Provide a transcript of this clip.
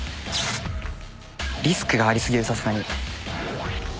リスクがあり過ぎるさすがに。